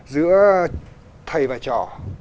giữa thầy và trò